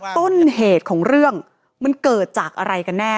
ต้นเหตุของเรื่องมันเกิดจากอะไรกันแน่